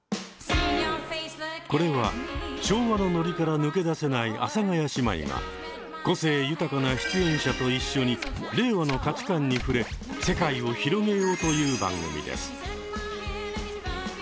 これは昭和のノリから抜け出せない阿佐ヶ谷姉妹が個性豊かな出演者と一緒に令和の価値観に触れ世界を広げようという番組です。